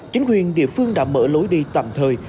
chính quyền địa phương đã mở lối đi tạm thời